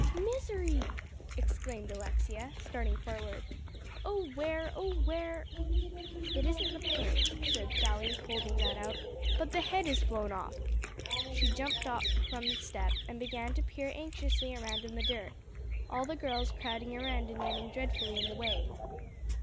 "Misery!" exclaimed Alexia, starting forward, "oh, where, where " "It isn't the pin," said Sally, holding that out, "but the head has flown off." She jumped off from the step and began to peer anxiously around in the dirt, all the girls crowding around and getting dreadfully in the way.